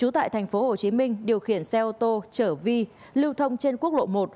tại thành phố hồ chí minh điều khiển xe ô tô trở vi lưu thông trên quốc lộ một